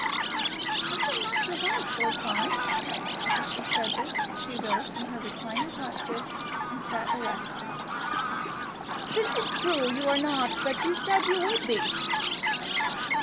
"I am not your wife, Lord Fawn." As she said this, she rose from her reclining posture and sat erect. "That is true. You are not. But you said you would be."